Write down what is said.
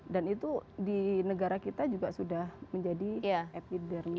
dan itu di negara kita juga sudah menjadi epidermis